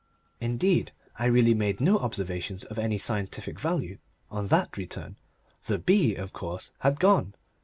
Indeed, I really made no observations of any scientific value on that return. The bee, of course, had gone.